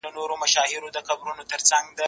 زه به اوږده موده قلم استعمالوم کړی وم،